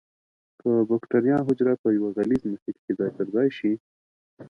که بکټریا حجره په یو غلیظ محیط کې ځای په ځای شي.